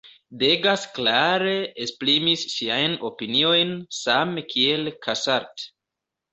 Degas klare esprimis siajn opiniojn, same kiel Cassatt.